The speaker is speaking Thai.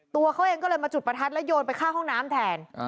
ตัวเขาเองก็เลยมาจุดประทัดแล้วโยนไปเข้าห้องน้ำแทน